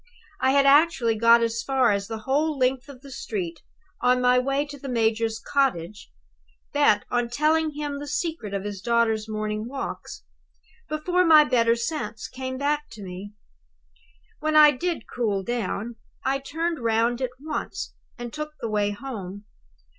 I had actually got as far as the whole length of the street on my way to the major's cottage, bent on telling him the secret of his daughter's morning walks, before my better sense came back to me. When I did cool down, I turned round at once, and took the way home.